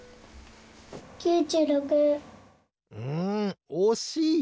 んおしい！